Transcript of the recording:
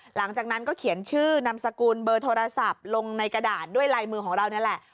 หลังจากนั้นก็เขียนชื่อนามสกุลเบอร์โทรศัพท์ลงในกระดาษด้วยลายมือของเรานี่แหละ